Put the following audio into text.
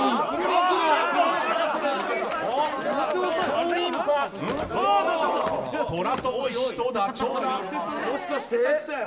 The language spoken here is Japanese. もしかして。